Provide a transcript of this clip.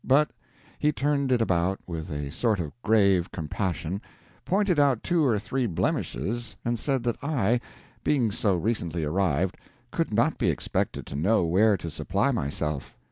But he turned it about with a sort of grave compassion, pointed out two or three blemishes, and said that I, being so recently arrived, could not be expected to know where to supply myself.